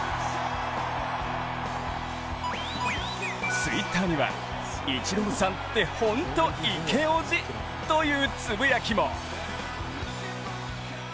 Ｔｗｉｔｔｅｒには、イチローさんってほんとイケオジというつぶやきも。